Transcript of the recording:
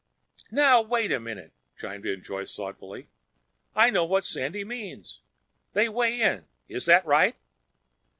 "Wait a minute!" chimed in Joyce thoughtfully. "I know what Sandy means. They weigh in. Is that right?"